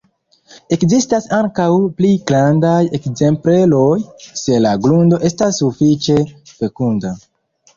Ekzistas ankaŭ pli grandaj ekzempleroj, se la grundo estas sufiĉe fekunda.